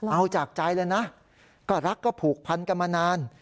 เอาจากใจเลยนะก็รักก็ผูกพันกันมานาน